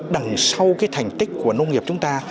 đằng sau cái thành tích của nông nghiệp chúng ta